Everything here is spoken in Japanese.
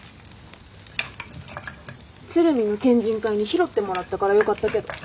鶴見の県人会に拾ってもらったからよかったけど。